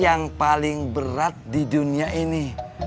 yang paling berat di dunia ini